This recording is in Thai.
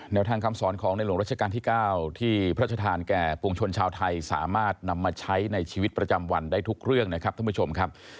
ทางคำสอนของในหลวงรัชกาลที่๙ที่พระชธานแก่ปวงชนชาวไทยสามารถนำมาใช้ในชีวิตประจำวันได้ทุกเรื่องนะครับท่านผู้ชมครับ